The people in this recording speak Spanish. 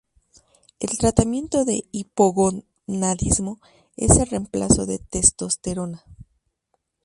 El tratamiento de hipogonadismo es el reemplazo de testosterona.